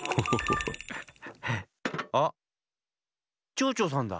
ちょうちょうさんだ。